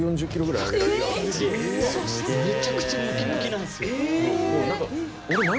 むちゃくちゃムキムキなんすよ。